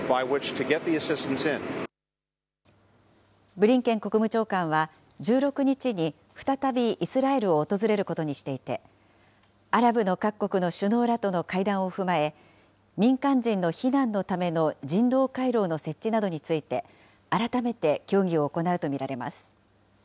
ブリンケン国務長官は、１６日に再びイスラエルを訪れることにしていて、アラブの各国の首脳らとの会談を踏まえ、民間人の避難のための人道回廊の設置などについて改めて協議を行うと見られます。